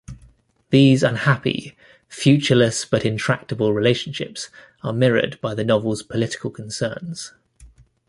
These unhappy, futureless but intractable relationships are mirrored by the novel's political concerns.